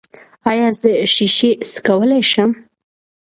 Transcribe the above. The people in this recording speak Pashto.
ایا زه شیشې څکولی شم؟